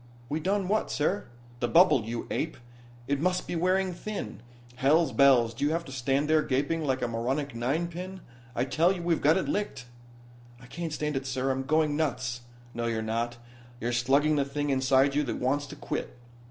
"We done what, sir?" "The bubble, you ape it must be wearing thin. Hell's bells, do you have to stand there gaping like a moronic ninepin? I tell you, we've got it licked." "I can't stand it, sir. I'm going nuts." "No you're not. You're slugging the thing inside you that wants to quit.